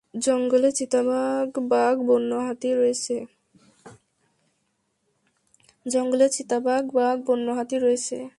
জঙ্গলে চিতাবাঘ, বাঘ, বন্য হাতি রয়েছে।